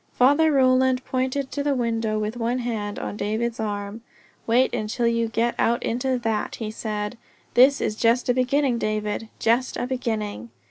Father Roland pointed to the window with one hand on David's arm. "Wait until you get out into that," he said. "This is just a beginning, David just a beginning!"